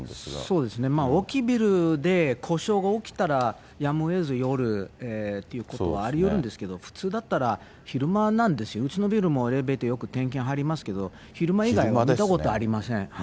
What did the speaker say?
そうですね、大きいビルで故障が起きたら、やむをえず夜ということもありえるんですけれども、普通だったら、昼間なんですよね、うちのビルもエレベーターよく点検入りますけれども、昼間以外は見たことありません。